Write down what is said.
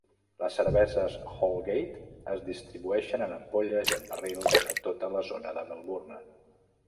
Les cerveses Holgate es distribueixen en ampolles i en barrils a tota la zona de Melbourne.